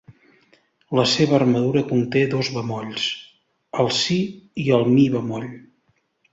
La seva armadura conté dos bemolls, el si i el mi bemoll.